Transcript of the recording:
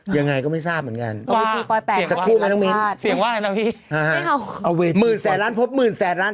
ยังไงก็ไม่ทราบเหมือนกัน